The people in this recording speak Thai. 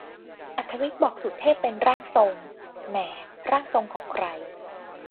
อรรถวิทย์บอกสุเทพเป็น "ร่างทรง" แหม่ ร่างทรงของใคร